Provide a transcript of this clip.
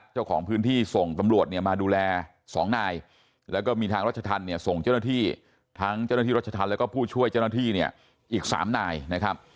เจ้าของพื้นที่ส่งตำรวจเนี่ยมาดูแล๒นายแล้วก็มีทางรัชธรรมเนี่ยส่งเจ้าหน้าที่ทั้งเจ้าหน้าที่รัชธรรมแล้วก็ผู้ช่วยเจ้าหน้าที่เนี่ยอีก๓นายนะครับ